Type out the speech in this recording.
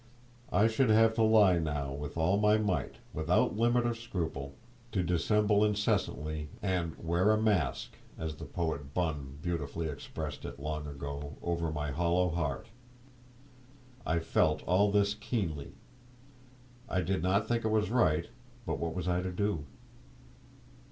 I should have to lie now with all my might, without limit or scruple, to dissemble incessantly, and "wear a mask," as the poet Bunn beautifully expressed it long ago, "over my hollow heart." I felt all this keenly; I did not think it was right, but what was I to do?